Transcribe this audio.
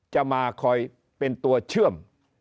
จะมาคอยเป็นตัวเชื่อม